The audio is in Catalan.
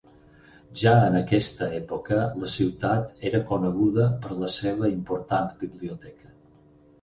Ja en aquesta època la ciutat era coneguda per la seva important biblioteca.